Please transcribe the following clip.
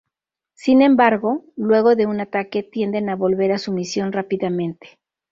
Sin embargo, luego de un ataque tienden a volver a su misión rápidamente.